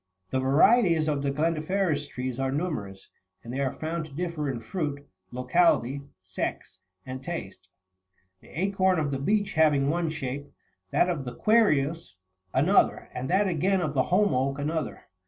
The varieties of the glandiferous trees are numerous, and they are found to diner in fruit, locality, sex, and taste ; the acorn of the beech having one shape, that of the quercus another, and that, again, of the holm oak another.